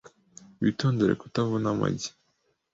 Witondere kutavuna amagi .